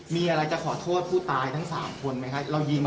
มีอะไรจะขอโทษผู้ตายทั้ง๓คนมั้ยคะเรายืน